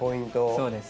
そうです。